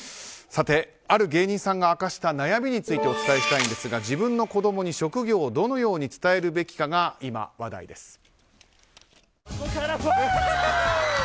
さて、ある芸人さんが明かした悩みについてお伝えしたいんですが自分の子供に職業をどのように伝えるべきかが今、話題です。